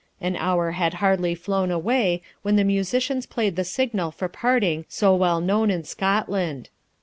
An hour had hardly flown away when the musicians played the signal for parting so well known in Scotland.